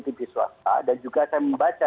tv swasta dan juga saya membaca